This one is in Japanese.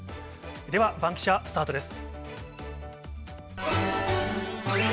では、バンキシャ、スタートです。